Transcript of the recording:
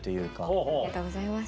ありがとうございます。